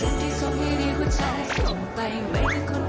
อย่างไรเอาไว้ถ้าที่ใกล้อยู่ความเธอ